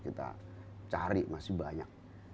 kita cari masih banyak